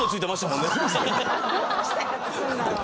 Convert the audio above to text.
どうしたら付くんだろう？